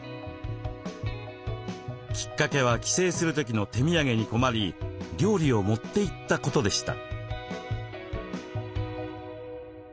きっかけは帰省する時の手土産に困り料理を持っていったことでした。